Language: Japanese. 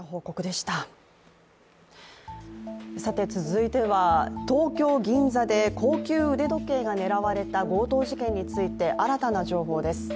続いては東京・銀座で高級腕時計が狙われた強盗事件について、新たな情報です。